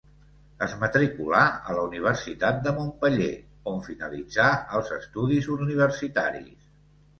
Es matriculà a la Universitat de Montpeller, on finalitzà els estudis universitaris.